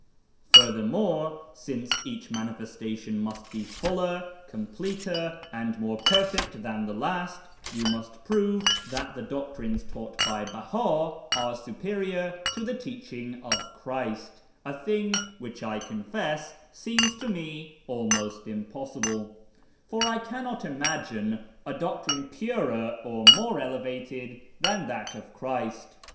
Furthermore, since each * manifestation ' must be fuller, completer, and more perfect than the last, you must prove that the doctrines taught by Beha are superior to the teaching of Christ — a thing which I confess seems to me almost impossible, for I cannot imagine a doctrine purer or more elevated than that of Christ.